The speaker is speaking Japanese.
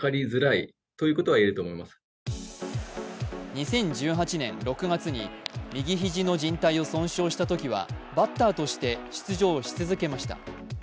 ２０１８年６月に右肘のじん帯を損傷したときはバッターとして出場し続けました。